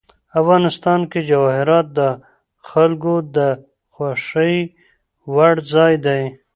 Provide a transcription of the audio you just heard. افغانستان کې جواهرات د خلکو د خوښې وړ ځای دی.